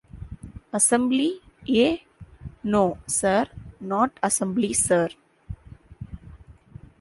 ‘Assembly, eh?’ ‘No, Sir, not assembly, Sir'.